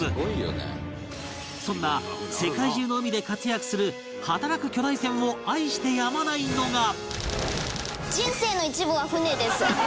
そんな世界中の海で活躍する働く巨大船を愛してやまないのが